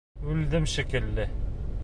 Үлдем шикелле...